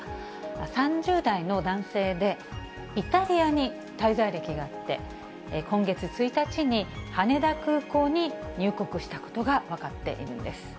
３０代の男性で、イタリアに滞在歴があって、今月１日に羽田空港に入国したことが分かっているんです。